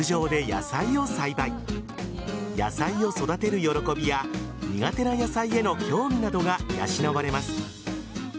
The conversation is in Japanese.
野菜を育てる喜びや苦手な野菜への興味などが養われます。